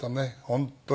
本当。